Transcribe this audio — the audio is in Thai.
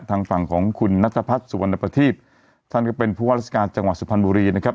ทางฝั่งของคุณนัทพัฒน์สุวรรณประทีพท่านก็เป็นผู้ว่าราชการจังหวัดสุพรรณบุรีนะครับ